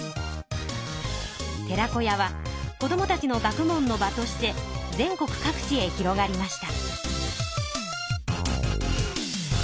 寺子屋は子どもたちの学問の場として全国各地へ広がりました。